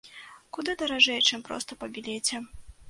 Куды даражэй, чым проста па білеце.